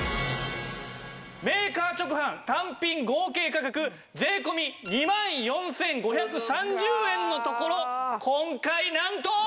メーカー直販単品合計価格税込２万４５３０円のところ今回なんと！